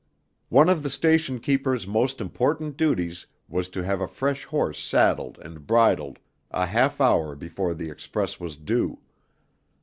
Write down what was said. One of the station keeper's most important duties was to have a fresh horse saddled and bridled a half hour before the Express was due.